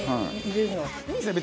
いいんですね